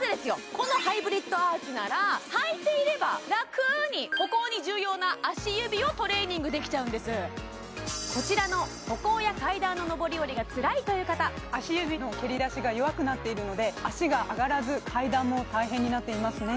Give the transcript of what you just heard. このハイブリッドアーチなら履いていれば楽に歩行に重要な足指をトレーニングできちゃうんですこちらの歩行や階段の上り下りがつらいという方足指の蹴り出しが弱くなっているので足が上がらず階段も大変になっていますね